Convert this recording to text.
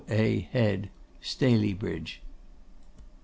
A. HEAD, STALEYBRIDGE.